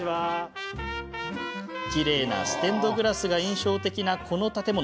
きれいなステンドグラスが印象的な、この建物。